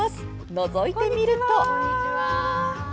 のぞいてみると。